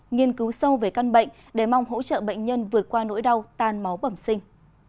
nghiên cứu sâu về căn bệnh để mong hỗ trợ bệnh nhân vượt qua nỗi đau tan máu bẩm sinh